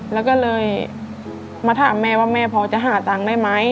แล้วก็เลยมาถามแม่ว่าแม่พอจะหาตังค์ได้ไหม